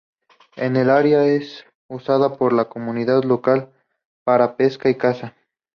El área es usada por la comunidad local para pesca y caza.